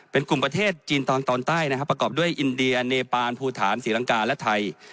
เป็นกลุ่มประเทศจีนตอนใต้นะครับประกอบด้วยอินเดียเนปานภูฐานศรีลังกาและไทย